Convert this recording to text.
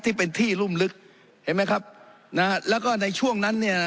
ที่เป็นที่รุ่มลึกเห็นไหมครับนะฮะแล้วก็ในช่วงนั้นเนี่ย